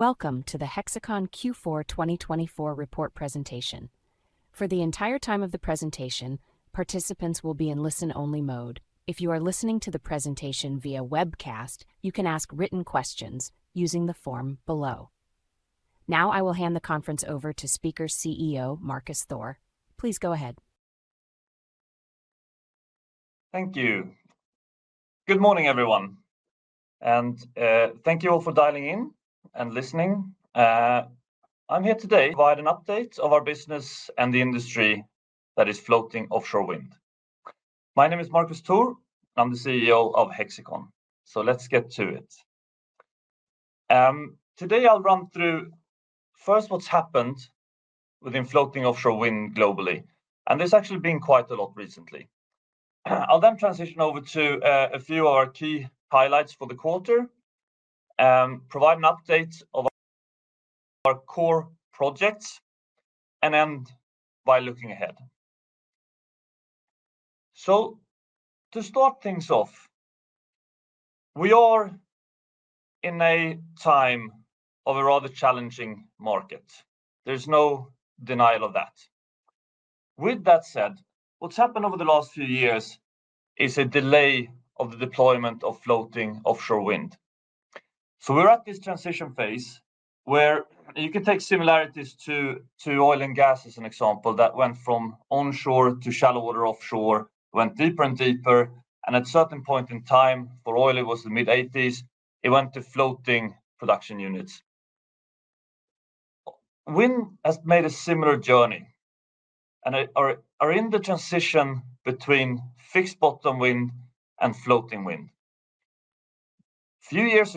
Welcome to the Hexicon Q4 2024 report presentation. For the entire time of the presentation, participants will be in listen-only mode. If you are listening to the presentation via webcast, you can ask written questions using the form below. Now, I will hand the conference over to CEO Marcus Thor. Please go ahead. Thank you. Good morning, everyone. Thank you all for dialing in and listening. I'm here today to provide an update of our business and the industry that is floating offshore wind. My name is Marcus Thor, and I'm the CEO of Hexicon. Let's get to it. Today I'll run through first what's happened within floating offshore wind globally. There's actually been quite a lot recently. I'll then transition over to a few of our key highlights for the quarter, provide an update of our core projects, and end by looking ahead. To start things off, we are in a time of a rather challenging market. There's no denial of that. With that said, what's happened over the last few years is a delay of the deployment of floating offshore wind. We're at this transition phase where you can take similarities to oil and gas as an example that went from onshore to shallow water offshore, went deeper and deeper, and at a certain point in time, for oil it was the mid-1980s, it went to floating production units. Wind has made a similar journey and is in the transition between fixed bottom wind and floating wind. A few years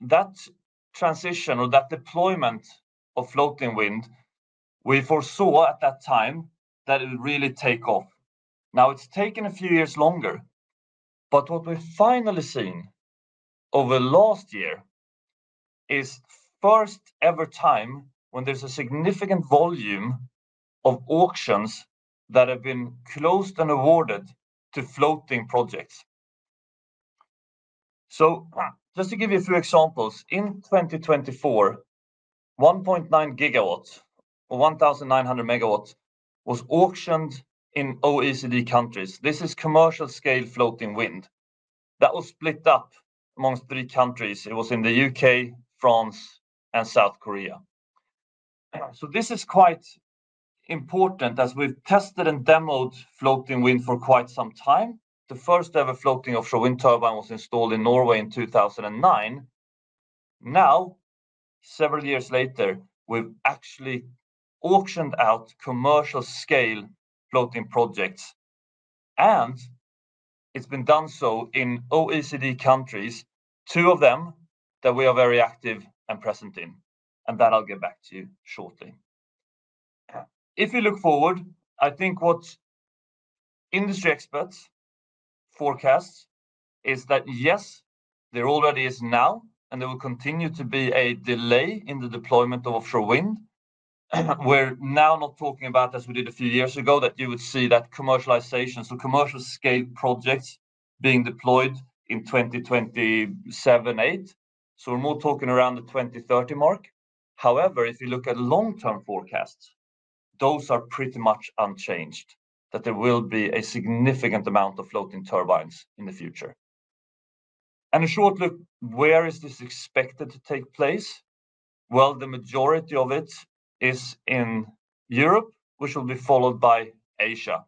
ago, that transition or that deployment of floating wind, we foresaw at that time that it would really take off. Now, it's taken a few years longer, but what we've finally seen over the last year is the first-ever time when there's a significant volume of auctions that have been closed and awarded to floating projects. Just to give you a few examples, in 2024, 1.9 GW, or 1,900 MW, was auctioned in OECD countries. This is commercial-scale floating wind. That was split up amongst three countries. It was in the U.K., France, and South Korea. This is quite important as we've tested and demoed floating wind for quite some time. The first-ever floating offshore wind turbine was installed in Norway in 2009. Now, several years later, we've actually auctioned out commercial-scale floating projects, and it's been done in OECD countries, two of them that we are very active and present in, and that I'll get back to you shortly. If we look forward, I think what industry experts forecast is that, yes, there already is now, and there will continue to be a delay in the deployment of offshore wind. We're now not talking about, as we did a few years ago, that you would see that commercialization, so commercial-scale projects being deployed in 2027, 2028. We're more talking around the 2030 mark. However, if you look at long-term forecasts, those are pretty much unchanged, that there will be a significant amount of floating turbines in the future. A short look, where is this expected to take place? The majority of it is in Europe, which will be followed by Asia.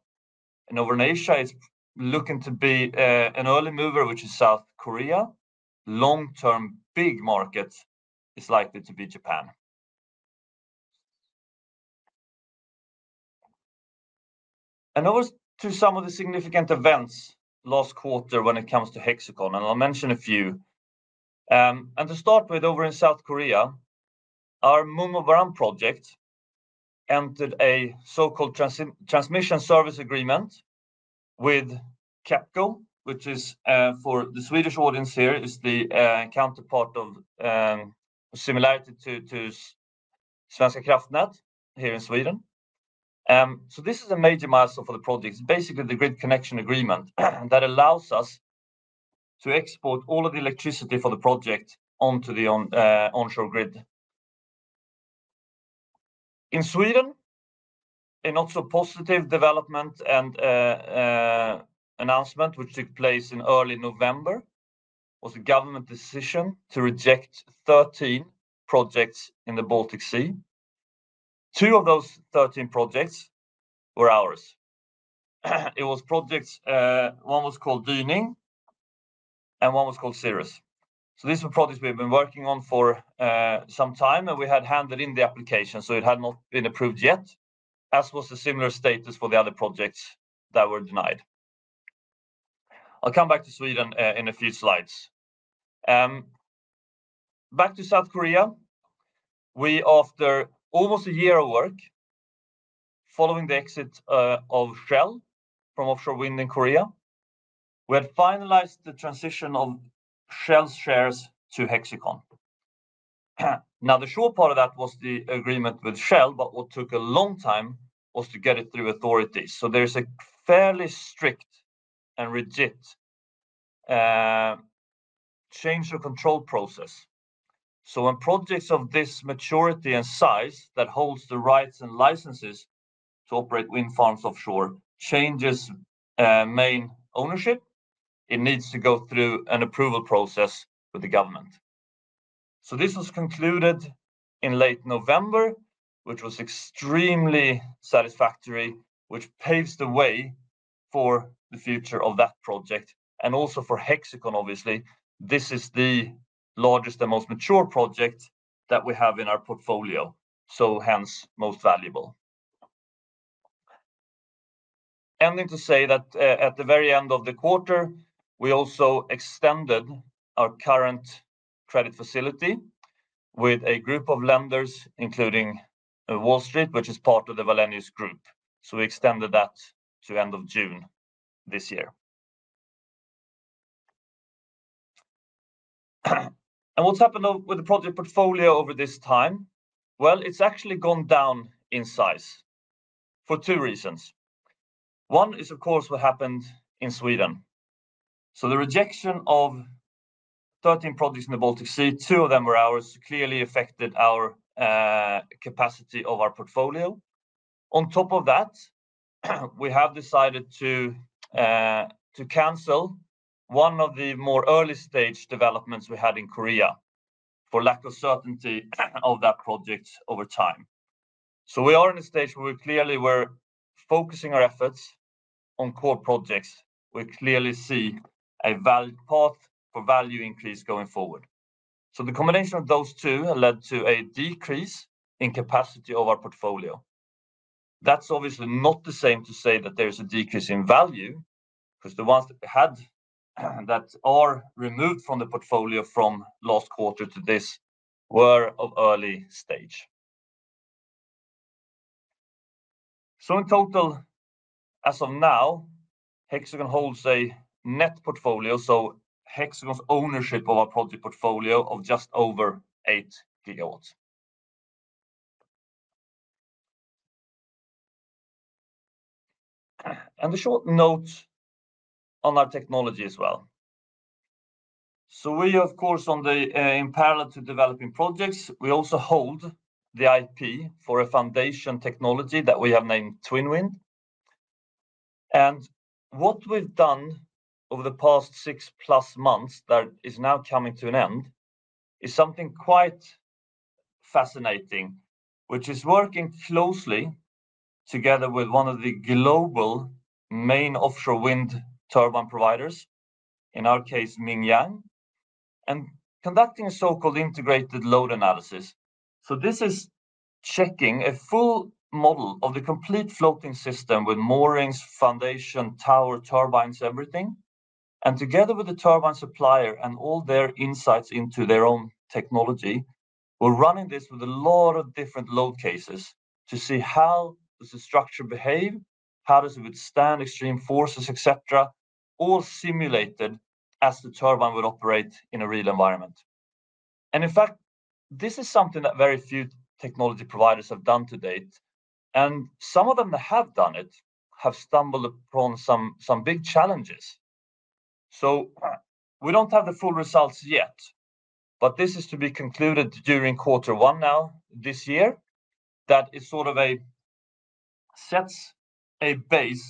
Over in Asia, it's looking to be an early mover, which is South Korea. Long-term big market is likely to be Japan. Over to some of the significant events last quarter when it comes to Hexicon, and I'll mention a few. To start with, over in South Korea, our MunmuBaram project entered a so-called transmission service agreement with KEPCO, which is, for the Swedish audience here, the counterpart of, similarity to, Svenska Kraftnät here in Sweden. This is a major milestone for the project. It's basically the grid connection agreement that allows us to export all of the electricity for the project onto the onshore grid. In Sweden, a not-so-positive development and announcement, which took place in early November, was a government decision to reject 13 projects in the Baltic Sea. Two of those 13 projects were ours. It was projects, one was called Dyning, and one was called Cirrus. These were projects we've been working on for some time, and we had handed in the application, so it had not been approved yet, as was the similar status for the other projects that were denied. I'll come back to Sweden in a few slides. Back to South Korea, we, after almost a year of work following the exit of Shell from offshore wind in Korea, we had finalized the transition of Shell's shares to Hexicon. Now, the short part of that was the agreement with Shell, but what took a long time was to get it through authorities. There is a fairly strict and rigid change of control process. When projects of this maturity and size that hold the rights and licenses to operate wind farms offshore change main ownership, it needs to go through an approval process with the government. This was concluded in late November, which was extremely satisfactory, which paves the way for the future of that project. Also for Hexicon, obviously, this is the largest and most mature project that we have in our portfolio, so hence most valuable. Ending to say that, at the very end of the quarter, we also extended our current credit facility with a group of lenders, including Wallenius, which is part of the Wallenius Group. We extended that to the end of June this year. What's happened with the project portfolio over this time? It's actually gone down in size for two reasons. One is, of course, what happened in Sweden. The rejection of 13 projects in the Baltic Sea, two of them were ours, clearly affected the capacity of our portfolio. On top of that, we have decided to cancel one of the more early-stage developments we had in Korea for lack of certainty of that project over time. We are in a stage where we clearly are focusing our efforts on core projects. We clearly see a path for value increase going forward. The combination of those two led to a decrease in capacity of our portfolio. That's obviously not the same to say that there is a decrease in value, because the ones that we had that are removed from the portfolio from last quarter to this were of early stage. In total, as of now, Hexicon holds a net portfolio, so Hexicon's ownership of our project portfolio of just over 8 GW. A short note on our technology as well. We, of course, in parallel to developing projects, also hold the IP for a foundation technology that we have named TwinWind. What we've done over the past 6+ months that is now coming to an end is something quite fascinating, which is working closely together with one of the global main offshore wind turbine providers, in our case, Mingyang, and conducting a so-called integrated load analysis. This is checking a full model of the complete floating system with moorings, foundation, tower, turbines, everything. Together with the turbine supplier and all their insights into their own technology, we're running this with a lot of different load cases to see how does the structure behave, how does it withstand extreme forces, etc., all simulated as the turbine would operate in a real environment. In fact, this is something that very few technology providers have done to date. Some of them that have done it have stumbled upon some big challenges. We do not have the full results yet, but this is to be concluded during quarter one now this year. That sort of sets a base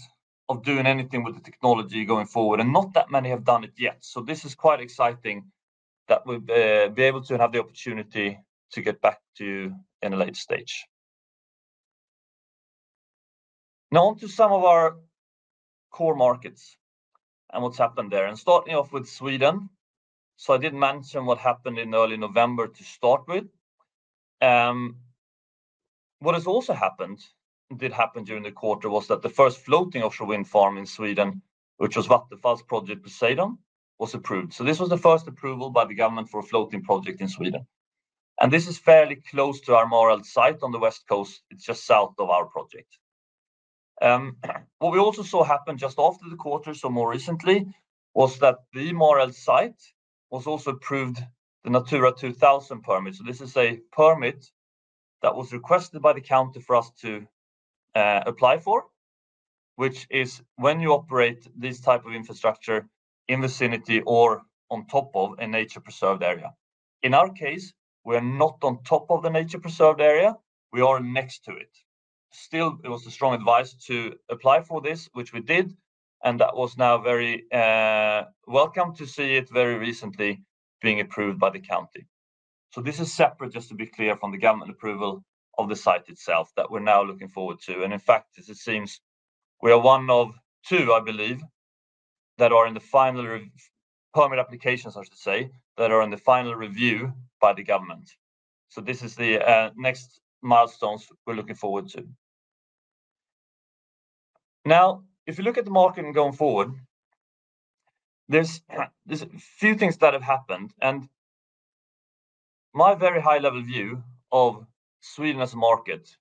of doing anything with the technology going forward. Not that many have done it yet. This is quite exciting that we'll be able to have the opportunity to get back to you in a late stage. Now, onto some of our core markets and what's happened there. Starting off with Sweden, I didn't mention what happened in early November to start with. What has also happened, did happen during the quarter, was that the first floating offshore wind farm in Sweden, which was Vattenfall's project Poseidon, was approved. This was the first approval by the government for a floating project in Sweden. This is fairly close to our Mareld site on the West Coast. It's just south of our project. What we also saw happen just after the quarter, so more recently, was that the Mareld site was also approved the Natura 2000 permit. This is a permit that was requested by the county for us to apply for, which is when you operate this type of infrastructure in vicinity or on top of a nature-preserved area. In our case, we are not on top of the nature-preserved area. We are next to it. Still, it was a strong advice to apply for this, which we did, and that was now very welcome to see it very recently being approved by the county. This is separate, just to be clear, from the government approval of the site itself that we're now looking forward to. In fact, as it seems, we are one of two, I believe, that are in the final permit applications, I should say, that are in the final review by the government. This is the next milestones we're looking forward to. Now, if you look at the market going forward, there's a few things that have happened. My very high-level view of Sweden as a market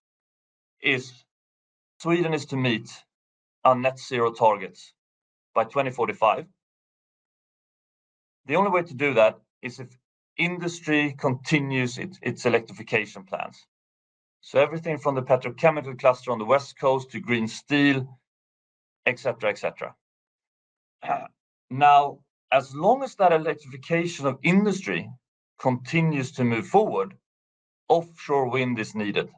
is Sweden is to meet our net zero targets by 2045. The only way to do that is if industry continues its electrification plans. Everything from the petrochemical cluster on the West Coast to green steel, etc., etc. As long as that electrification of industry continues to move forward, offshore wind is needed.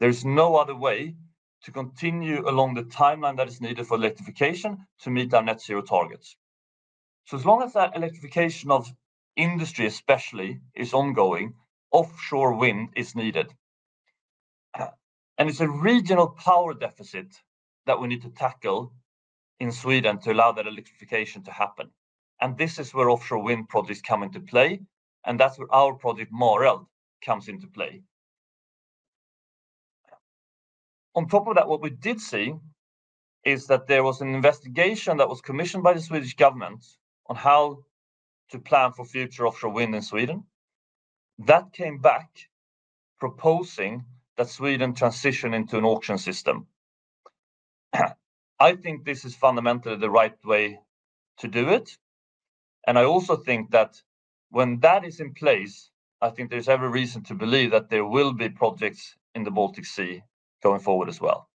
There is no other way to continue along the timeline that is needed for electrification to meet our net zero targets. As long as that electrification of industry, especially, is ongoing, offshore wind is needed. It's a regional power deficit that we need to tackle in Sweden to allow that electrification to happen. This is where offshore wind projects come into play, and that's where our project Mareld comes into play. On top of that, what we did see is that there was an investigation that was commissioned by the Swedish government on how to plan for future offshore wind in Sweden that came back proposing that Sweden transition into an auction system. I think this is fundamentally the right way to do it. I also think that when that is in place, I think there's every reason to believe that there will be projects in the Baltic Sea going forward as well.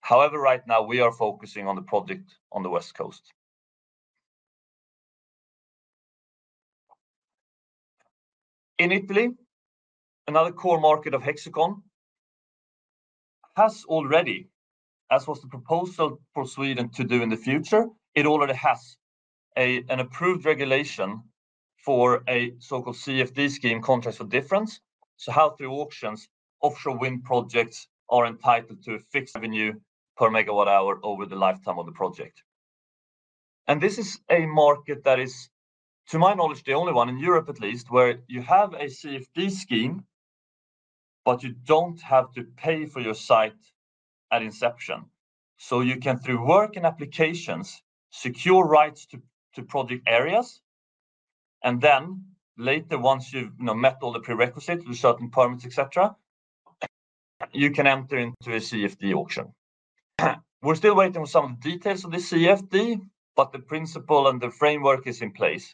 However, right now, we are focusing on the project on the West Coast. In Italy, another core market of Hexicon, it has already, as was the proposal for Sweden to do in the future, it already has an approved regulation for a so-called CfD scheme, contracts for difference. Through auctions, offshore wind projects are entitled to a fixed revenue per megawatt hour over the lifetime of the project. This is a market that is, to my knowledge, the only one in Europe, at least, where you have a CfD scheme, but you do not have to pay for your site at inception. You can, through work and applications, secure rights to project areas. Later, once you have, you know, met all the prerequisites, the certain permits, etc., you can enter into a CfD auction. We are still waiting on some of the details of the CfD, but the principle and the framework is in place.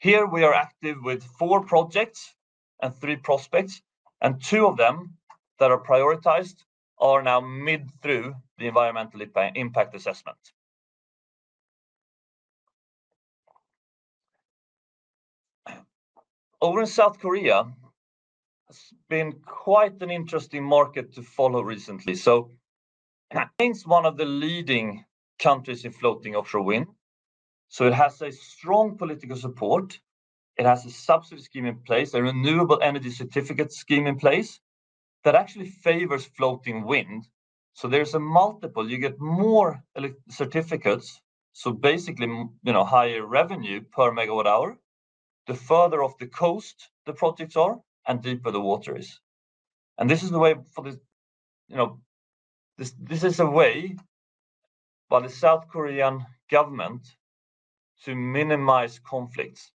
Here, we are active with four projects and three prospects, and two of them that are prioritized are now mid through the environmental impact assessment. Over in South Korea, it has been quite an interesting market to follow recently. Maine is one of the leading countries in floating offshore wind. It has strong political support. It has a subsidy scheme in place, a renewable energy certificate scheme in place that actually favors floating wind. There is a multiple. You get more certificates, so basically, you know, higher revenue per megawatt hour, the further off the coast the projects are and the deeper the water is. This is a way by the South Korean government to minimize conflicts.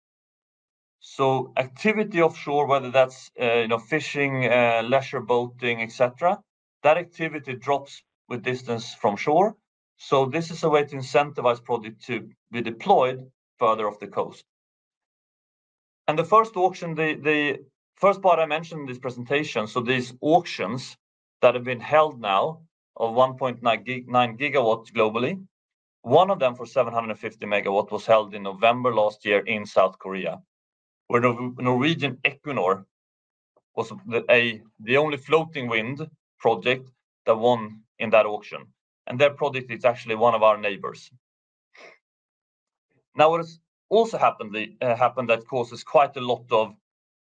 Activity offshore, whether that is, you know, fishing, leisure boating, etc., that activity drops with distance from shore. This is a way to incentivize projects to be deployed further off the coast. The first auction, the first part I mentioned in this presentation, these auctions that have been held now of 1.9 GW globally, one of them for 750 MW was held in November last year in South Korea, where Norwegian Equinor was the only floating wind project that won in that auction. Their project is actually one of our neighbors. What has also happened that causes quite a lot of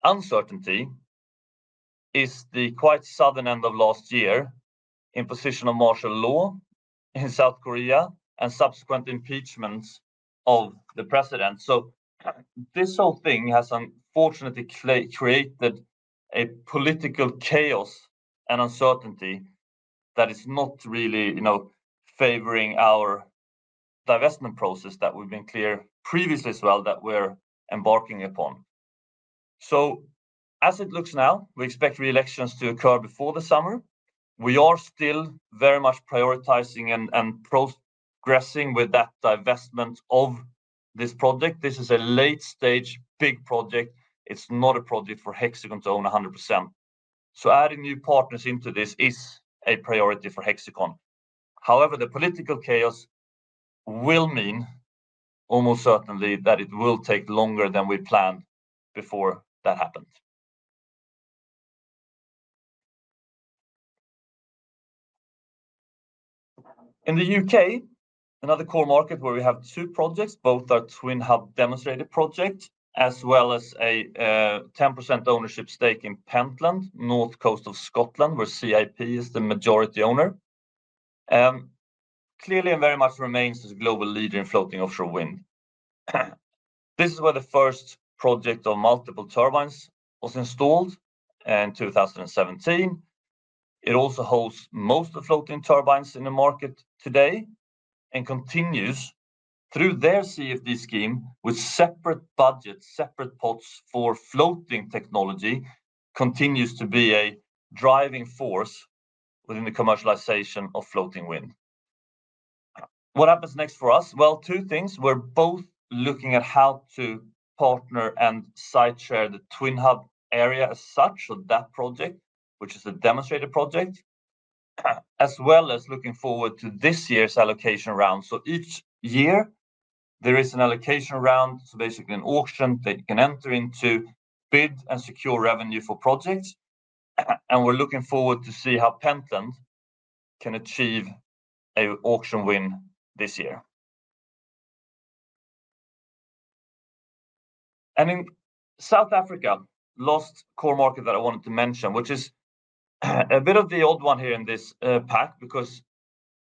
uncertainty is the quite sudden end of last year imposition of martial law in South Korea and subsequent impeachments of the president. This whole thing has unfortunately created a political chaos and uncertainty that is not really, you know, favoring our divestment process that we've been clear previously as well that we're embarking upon. As it looks now, we expect reelections to occur before the summer. We are still very much prioritizing and progressing with that divestment of this project. This is a late-stage big project. It's not a project for Hexicon to own 100%. So adding new partners into this is a priority for Hexicon. However, the political chaos will mean almost certainly that it will take longer than we planned before that happened. In the U.K., another core market where we have two projects, both are TwinHub demonstrated projects, as well as a 10% ownership stake in Pentland, north coast of Scotland, where CIP is the majority owner. Clearly, and very much remains as a global leader in floating offshore wind. This is where the first project of multiple turbines was installed in 2017. It also holds most of the floating turbines in the market today and continues through their CfD scheme with separate budgets, separate pots for floating technology, continues to be a driving force within the commercialization of floating wind. What happens next for us? Two things. We're both looking at how to partner and side-share the TwinHub area as such, so that project, which is a demonstrated project, as well as looking forward to this year's allocation round. Each year, there is an allocation round, basically an auction that you can enter into to bid and secure revenue for projects. We're looking forward to see how Pentland can achieve an auction win this year. In South Africa, last core market that I wanted to mention, which is a bit of the odd one here in this pack, because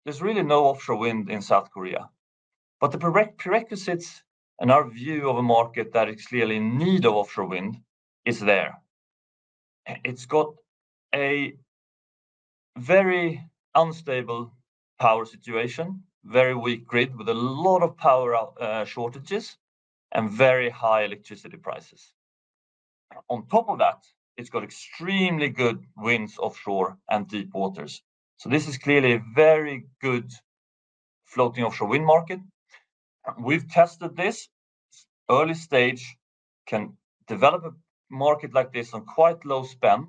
there's really no offshore wind in South Korea. The prerequisites and our view of a market that is clearly in need of offshore wind is there. It's got a very unstable power situation, very weak grid with a lot of power shortages and very high electricity prices. On top of that, it's got extremely good winds offshore and deep waters. This is clearly a very good floating offshore wind market. We've tested this. Early stage can develop a market like this on quite low spend.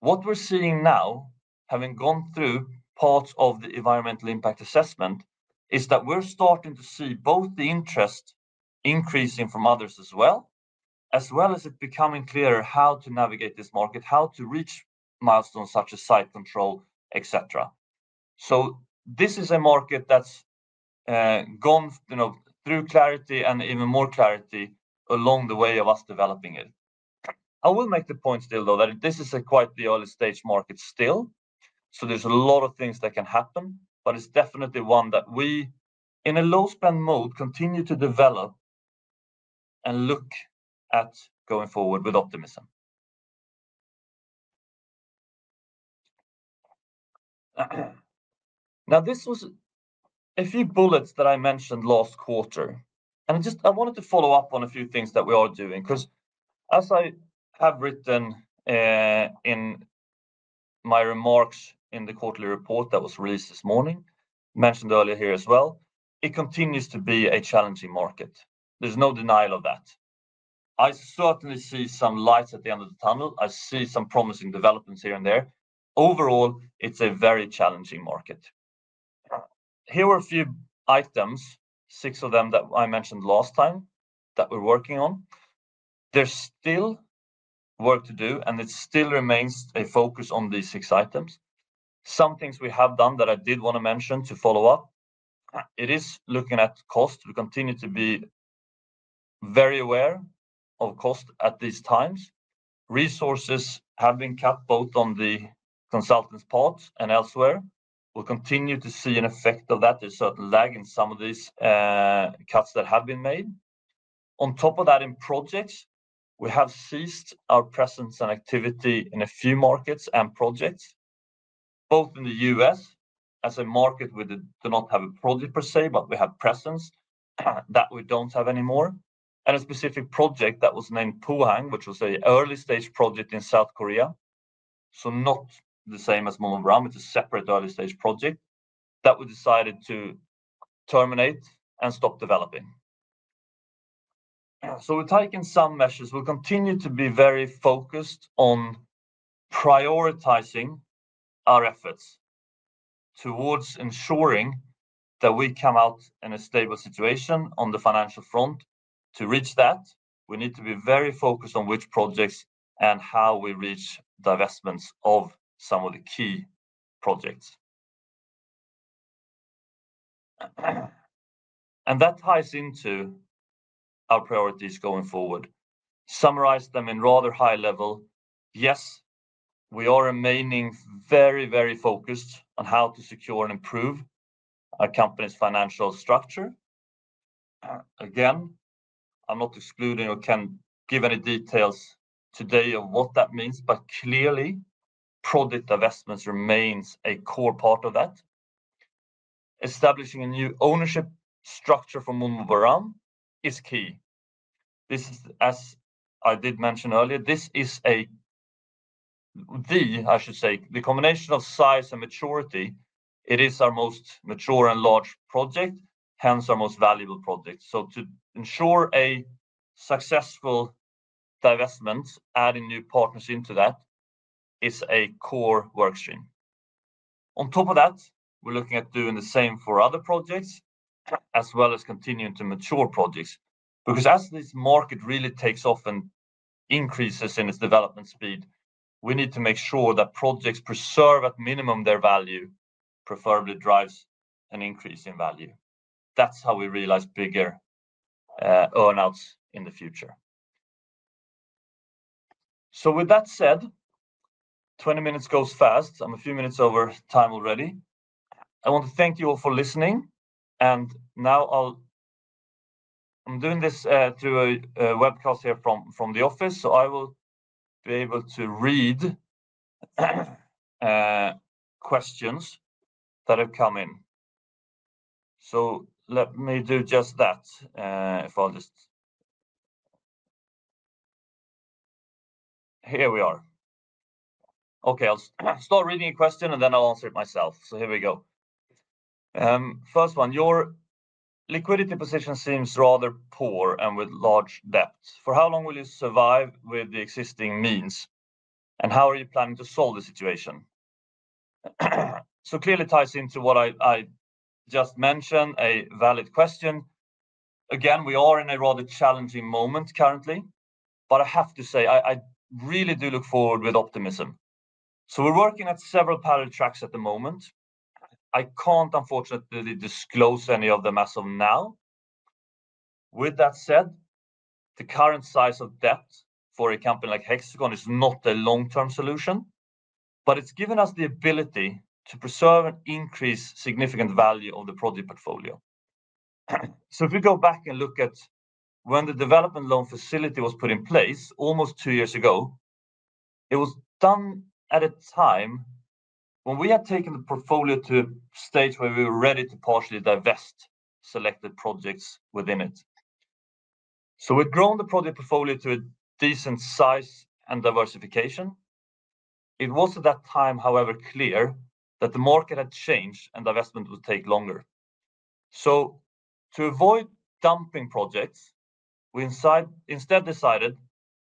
What we're seeing now, having gone through parts of the environmental impact assessment, is that we're starting to see both the interest increasing from others as well, as well as it becoming clearer how to navigate this market, how to reach milestones such as site control, etc. This is a market that's, you know, gone through clarity and even more clarity along the way of us developing it. I will make the point still, though, that this is quite the early stage market still. There are a lot of things that can happen, but it is definitely one that we, in a low-spend mode, continue to develop and look at going forward with optimism. This was a few bullets that I mentioned last quarter. I just wanted to follow up on a few things that we are doing, because as I have written in my remarks in the quarterly report that was released this morning, mentioned earlier here as well, it continues to be a challenging market. There is no denial of that. I certainly see some lights at the end of the tunnel. I see some promising developments here and there. Overall, it is a very challenging market. Here are a few items, six of them, that I mentioned last time that we are working on. There's still work to do, and it still remains a focus on these six items. Some things we have done that I did want to mention to follow up. It is looking at cost. We continue to be very aware of cost at these times. Resources have been cut both on the consultants' part and elsewhere. We'll continue to see an effect of that. There's a certain lag in some of these cuts that have been made. On top of that, in projects, we have ceased our presence and activity in a few markets and projects, both in the U.S. as a market where they do not have a project per se, but we have presence that we don't have anymore. And a specific project that was named Pohang, which was an early-stage project in South Korea, so not the same as MunmuBaram. It's a separate early-stage project that we decided to terminate and stop developing. We're taking some measures. We'll continue to be very focused on prioritizing our efforts towards ensuring that we come out in a stable situation on the financial front. To reach that, we need to be very focused on which projects and how we reach divestments of some of the key projects. That ties into our priorities going forward. Summarize them in rather high level. Yes, we are remaining very, very focused on how to secure and improve our company's financial structure. Again, I'm not excluding or can give any details today of what that means, but clearly, project divestments remains a core part of that. Establishing a new ownership structure for MunmuBaram is key. This is, as I did mention earlier, this is the combination of size and maturity. It is our most mature and large project, hence our most valuable project. To ensure a successful divestment, adding new partners into that is a core workstream. On top of that, we're looking at doing the same for other projects, as well as continuing to mature projects, because as this market really takes off and increases in its development speed, we need to make sure that projects preserve at minimum their value, preferably drives an increase in value. That's how we realize bigger earnings in the future. With that said, 20 minutes goes fast. I'm a few minutes over time already. I want to thank you all for listening. Now I'll, I'm doing this through a webcast here from the office, so I will be able to read questions that have come in. Let me do just that. If I'll just, here we are. Okay, I'll start reading a question and then I'll answer it myself. Here we go. First one, your liquidity position seems rather poor and with large debt. For how long will you survive with the existing means? How are you planning to solve the situation? Clearly ties into what I just mentioned, a valid question. Again, we are in a rather challenging moment currently, but I have to say, I really do look forward with optimism. We're working at several parallel tracks at the moment. I can't unfortunately disclose any of them as of now. With that said, the current size of debt for a company like Hexicon is not a long-term solution, but it's given us the ability to preserve and increase significant value of the project portfolio. If we go back and look at when the development loan facility was put in place almost two years ago, it was done at a time when we had taken the portfolio to a stage where we were ready to partially divest selected projects within it. We have grown the project portfolio to a decent size and diversification. It was at that time, however, clear that the market had changed and divestment would take longer. To avoid dumping projects, we instead decided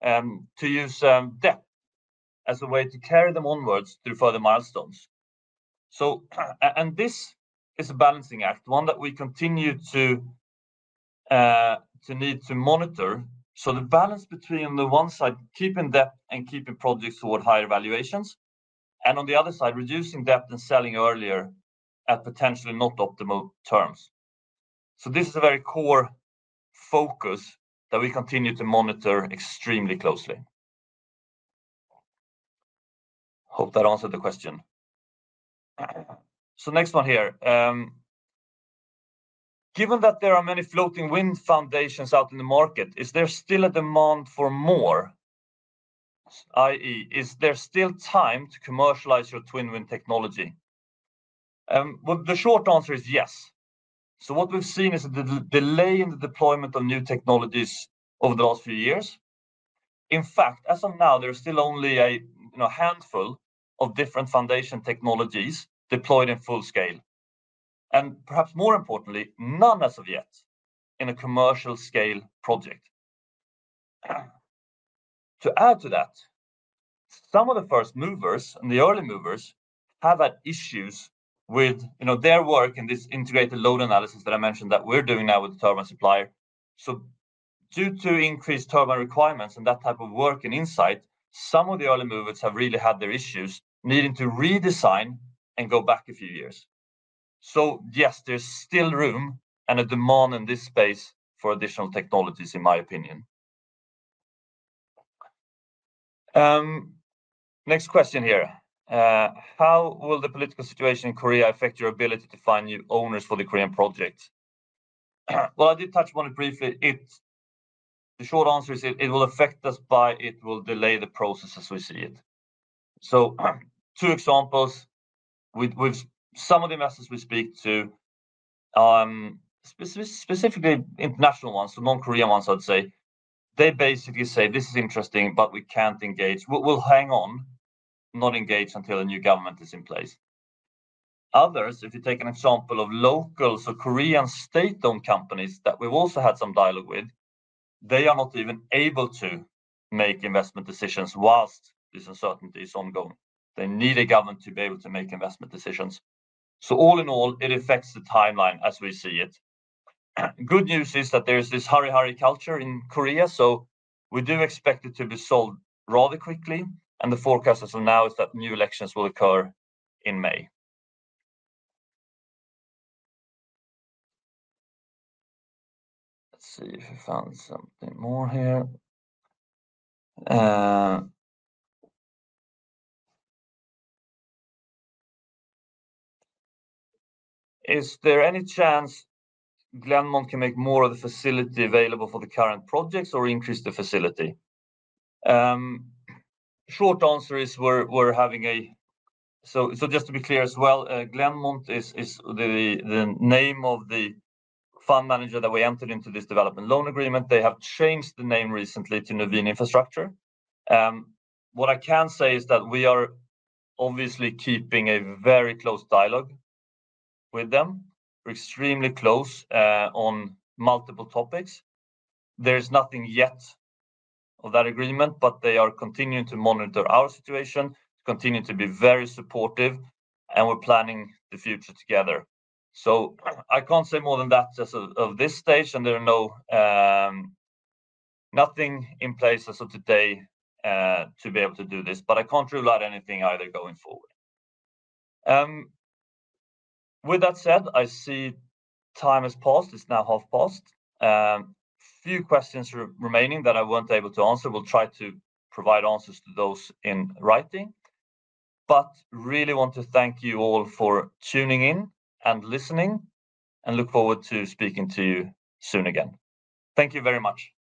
to use debt as a way to carry them onwards through further milestones. This is a balancing act, one that we continue to need to monitor. The balance between, on the one side, keeping debt and keeping projects toward higher valuations, and on the other side, reducing debt and selling earlier at potentially not optimal terms. This is a very core focus that we continue to monitor extremely closely. Hope that answered the question. Next one here. Given that there are many floating wind foundations out in the market, is there still a demand for more? I.e., is there still time to commercialize your TwinWind technology? The short answer is yes. What we've seen is a delay in the deployment of new technologies over the last few years. In fact, as of now, there are still only a handful of different foundation technologies deployed in full scale. Perhaps more importantly, none as of yet in a commercial scale project. To add to that, some of the first movers and the early movers have had issues with their work in this integrated load analysis that I mentioned that we're doing now with the turbine supplier. Due to increased turbine requirements and that type of work and insight, some of the early movers have really had their issues needing to redesign and go back a few years. Yes, there's still room and a demand in this space for additional technologies, in my opinion. Next question here. How will the political situation in Korea affect your ability to find new owners for the Korean project? I did touch on it briefly. The short answer is it will affect us by it will delay the process as we see it. Two examples. With some of the investors we speak to, specifically international ones, so non-Korean ones, I'd say, they basically say, this is interesting, but we can't engage. We'll hang on, not engage until a new government is in place. Others, if you take an example of local Korean state-owned companies that we've also had some dialogue with, they are not even able to make investment decisions whilst this uncertainty is ongoing. They need a government to be able to make investment decisions. All in all, it affects the timeline as we see it. Good news is that there is this hurry-hurry culture in Korea, so we do expect it to be solved rather quickly. The forecast as of now is that new elections will occur in May. Let's see if I found something more here. Is there any chance Glennmont can make more of the facility available for the current projects or increase the facility? Short answer is we're having a, so just to be clear as well, Glennmont is the name of the fund manager that we entered into this development loan agreement. They have changed the name recently to Nuveen Infrastructure. What I can say is that we are obviously keeping a very close dialogue with them. We're extremely close on multiple topics. There is nothing yet of that agreement, but they are continuing to monitor our situation, continue to be very supportive, and we're planning the future together. I can't say more than that at this stage. There are no, nothing in place as of today to be able to do this, but I can't rule out anything either going forward. With that said, I see time has passed. It's now half past. A few questions remaining that I weren't able to answer. We'll try to provide answers to those in writing. I really want to thank you all for tuning in and listening, and look forward to speaking to you soon again. Thank you very much.